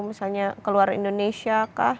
misalnya ke luar indonesia kah